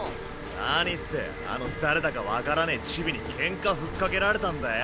何ってあの誰だか分からねぇチビにケンカ吹っかけられたんだよ。